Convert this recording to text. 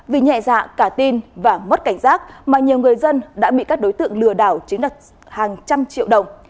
vì nhẹ dạ cả tin và mất cảnh giác mà nhiều người dân đã bị các đối tượng lừa đảo chiếm đặt hàng trăm triệu đồng